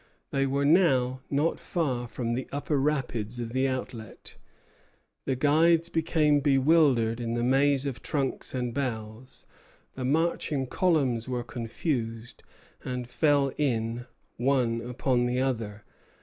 They were now not far from the upper rapids of the outlet. The guides became bewildered in the maze of trunks and boughs; the marching columns were confused, and fell in one upon the other.